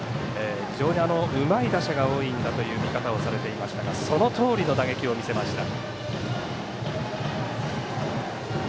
非常にうまい打者が多いんだという見方をされていましたがそのとおりの打撃を見せました。